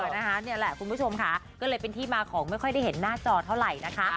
นี่แหละคุณผู้ชมค่ะก็เลยเป็นที่มาของไม่ค่อยได้เห็นหน้าจอเท่าไหร่นะคะ